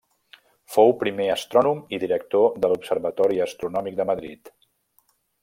Fou primer astrònom i director de l'Observatori Astronòmic de Madrid.